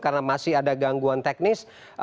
karena masih ada gangguan teknis